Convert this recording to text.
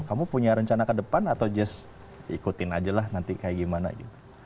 kamu punya rencana ke depan atau just ikutin aja lah nanti kayak gimana gitu